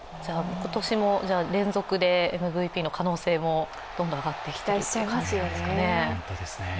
今年も連続でＭＶＰの可能性もどんどん上がってきているということですね。